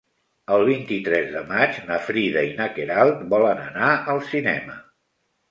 El vint-i-tres de maig na Frida i na Queralt volen anar al cinema.